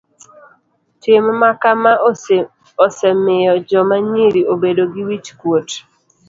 Tim makama osemiyo joma nyiri obedo gi wich kuot.